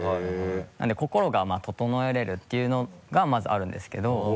なので心が整えれるっていうのがまずあるんですけど。